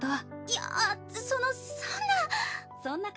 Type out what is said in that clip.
いやそのそんな。